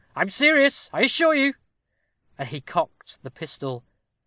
I'm serious, I assure you." And he cocked the pistol.